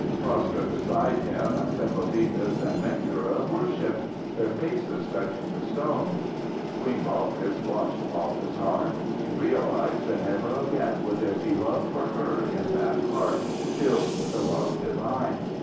Prostrate beside him, Sembobitis and Menkera worshipped, their faces touching the stone. Queen Balkis watched Balthasar. She realised that never again would there be love for her in that heart filled with a love divine.